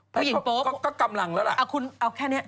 ผู้หญิงโป๊ะก็กำลังแล้วล่ะเอาแค่เนี้ยอ่ะคุณเอาแค่เนี้ย